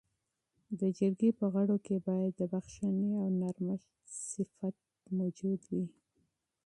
د جرګې په غړو کي باید د بخښنې او نرمښت صفت موجود وي.